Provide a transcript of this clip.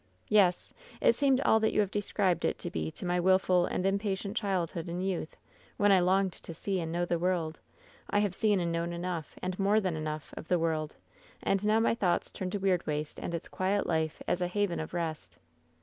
''" 'Yes. It seemed all that you have described it to Ke to my wilful and impatient childhood and youth, when I longed to see and know the world. I have seen and known enough, and more than enough, of the world, and now my thoughts turn to Weirdwaste and its quiet life as a haven of rest.'